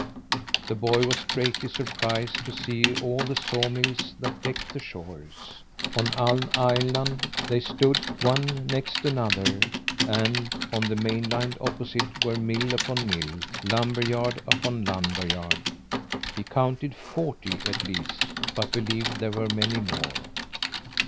The boy was greatly surprised to see all the sawmills that decked the shores. On Aln Island they stood, one next another, and on the mainland opposite were mill upon mill, lumber yard upon lumber yard. He counted forty, at least, but believed there were many more.